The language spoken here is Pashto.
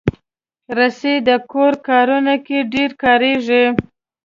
رسۍ د کور کارونو کې ډېره کارېږي.